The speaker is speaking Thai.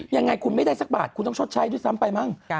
ยังไงคุณไม่ได้สักบาทคุณต้องชดใช้ด้วยซ้ำไปมั้ง